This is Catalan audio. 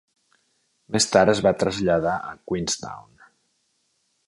Més tard es va traslladar a Queenstown.